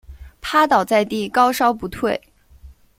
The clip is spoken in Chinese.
趴倒在地高烧不退